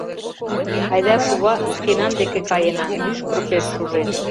Айда, кува, шкенан деке каена: мӱшкыр пеш шужен.